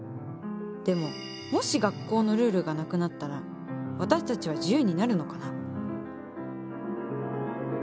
でももし学校のルールがなくなったら私たちは自由になるのかな？